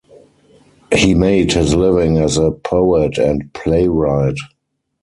He made his living as a poet and playwright.